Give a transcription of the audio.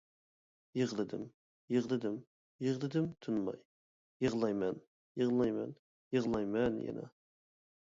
يىغلىدىم، يىغلىدىم، يىغلىدىم تىنماي، يىغلايمەن، يىغلايمەن، يىغلايمەن يەنە.